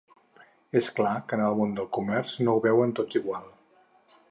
És clar que en el món del comerç no ho veuen tots igual.